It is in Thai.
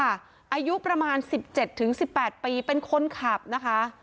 อายุประมาณ๑๗๑๘ปีเป็นคนขับนะคะ